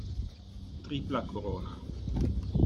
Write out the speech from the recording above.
Tripla corona